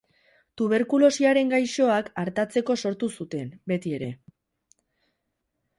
Tuberkulosiaren gaixoak artatzeko sortu zuten, beti ere.